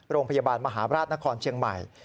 โรงพยาบาลมหาบราชนครเชียงใหม่